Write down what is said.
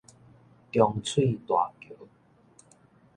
重翠大橋